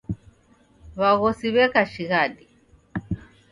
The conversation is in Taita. W'aghosi w'eka shighadi.